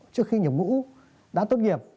trước khi nhập ngũ đã tuyển nghiệp